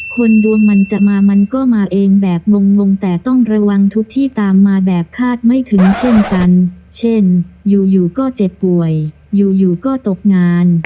คนดวงมันจะมามันก็มาเองแบบงงแต่ต้องระวังทุกที่ตามมาแบบคาดไม่ถึงเช่นกันเช่นอยู่ก็เจ็บป่วยอยู่อยู่ก็ตกงาน